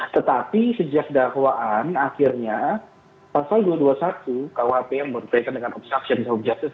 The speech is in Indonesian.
tetapi sejak dakwaan akhirnya pasal dua ratus dua puluh satu kuhp yang berkaitan dengan obstruction of justice